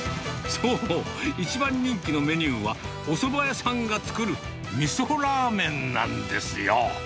そう、一番人気のメニューは、おそば屋さんが作るみそらーめんなんですよ。